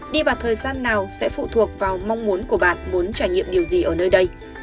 đi vào thời gian nào sẽ phụ thuộc vào mong muốn của bạn muốn trải nghiệm điều gì ở nơi đây